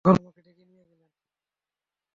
তখন ভাইয়া আমাকে ডেকে নিয়ে গেলেন।